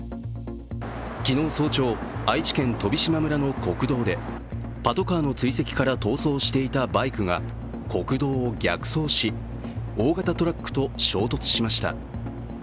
昨日早朝、愛知県飛島村の国道でパトカーの追跡から逃走していたバイクが国道を逆走し大型トラックと衝突しました。